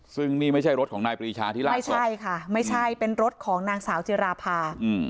ซึ่งนี่ไม่ใช่รถของนายปรีชาที่ลากไม่ใช่ค่ะไม่ใช่เป็นรถของนางสาวจิราภา